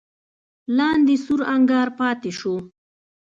لاندې سور انګار پاتې شو.